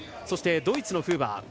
そしてドイツのフーバー。